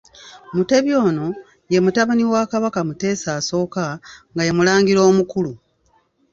Mutebi ono, mutabani wa Kabaka Mutesa I, nga ye mulangira omukulu.